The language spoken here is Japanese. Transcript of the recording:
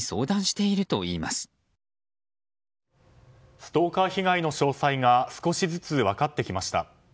ストーカー被害の詳細が少しずつ分かってきました。